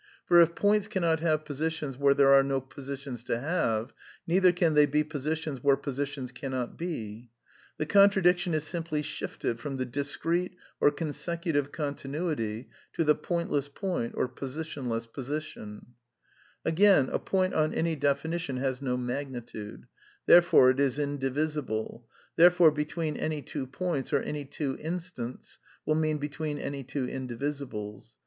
Eor if points cannot have positions where there are no positions to have, i neither can they be positions where positions cannot ber' The rnutTftdiftinn in flimrlj oTii fforl PrnTn ili» A\m Ill ffy ^^p°^^^^iYfi fiOTT^^'^^^^y ^^^^^ pfllPtl^ ss point or posit ion less position. Again, a point, on any definition, has no magnitude; therefore it is indivisible ; therefore " between any two points," or any two instants, will mean between any two indivisibles.